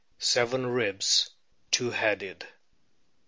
Seven ribs two headed.